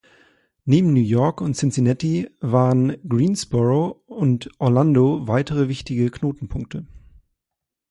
Neben New York und Cincinnati waren Greensboro und Orlando weitere wichtige Knotenpunkte.